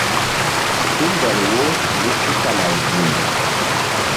Tumbɔl wo mí tukala ziŋ.